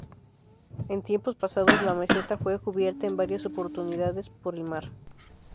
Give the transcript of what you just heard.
En tiempos pasados, la meseta fue cubierta en varias oportunidades por el mar.